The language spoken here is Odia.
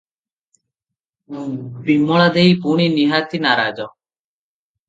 ବିମଳା ଦେଇ ପୁଣି ନିହାତି ନାରାଜ ।